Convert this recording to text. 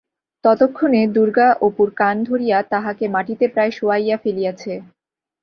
ততক্ষণে দুর্গা অপুর কান ধরিয়া তাহাকে মাটিতে প্রায় শোয়াইয়া ফেলিয়াছে।